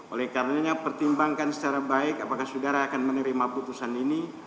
oleh karenanya pertimbangkan secara baik apakah saudara akan menerima putusan ini